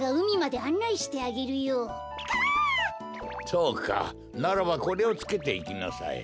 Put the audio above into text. それかならばこれをつけていきなさい。